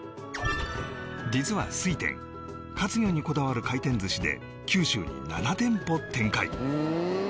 実は水天活魚にこだわる回転寿司で九州に７店舗展開